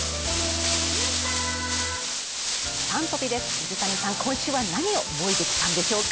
水谷さん、今週は何をもいできたんでしょうか？